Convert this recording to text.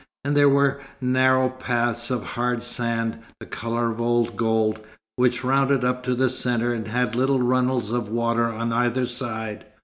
And there were narrow paths of hard sand, the colour of old gold, which rounded up to the centre, and had little runnels of water on either side.